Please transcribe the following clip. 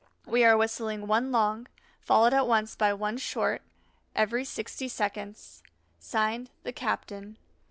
We are whistling one long, followed at once by one short, every sixty seconds. (Signed) THE CAPTAIN.